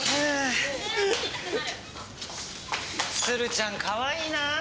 鶴ちゃんかわいいな。